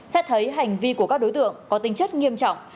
xét thấy hành vi của các đối tượng có tính chất nghiêm trọng